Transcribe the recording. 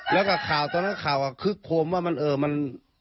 แล้วก็ข่าวตอนนั้นข่าวคือโคมว่ามัน